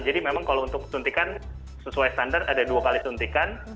jadi memang kalau untuk suntikan sesuai standar ada dua kali suntikan